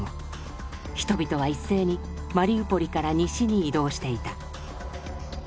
人々は一斉にマリウポリから西に移動していた。